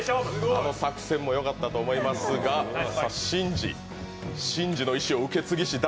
作戦も良かったと思いますが、信二の意思を受け継ぎし舘